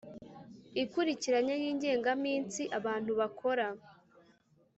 ikurikiranye y’ingengaminsi abantu bakora